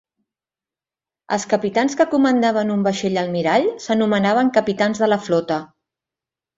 Els capitans que comandaven un vaixell almirall s'anomenaven "capitans de la flota".